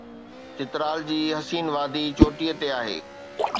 چترال جي حسين وادي چوٽيءَ تي آهي.